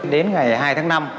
đến ngày hai tháng năm